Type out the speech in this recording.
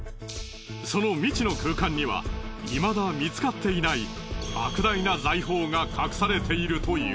その未知の空間にはいまだ見つかっていない莫大な財宝が隠されているという。